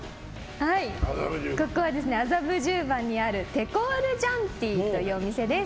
ここは麻布十番にあるテコールジャンティというお店です。